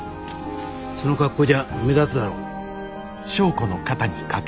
その格好じゃ目立つだろ。